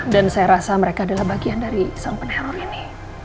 dan saya rasa mereka adalah bagian dari sang peneror ini